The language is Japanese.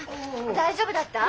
大丈夫だった？